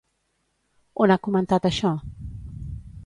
On ha comentat això?